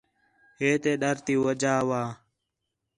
ہے تے ڈر تی وجہ وا